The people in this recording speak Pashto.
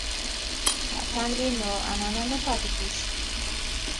که اتڼ وي نو عنعنه نه پاتې کیږي.